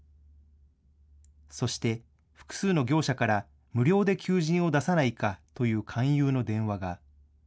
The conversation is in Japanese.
そして複数の業者から無料で求人を出さないかという勧誘の電話が。